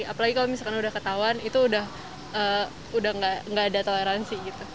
apalagi kalau misalkan udah ketahuan itu udah gak ada toleransi gitu